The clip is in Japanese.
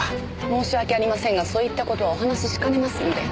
申し訳ありませんがそういった事はお話ししかねますので。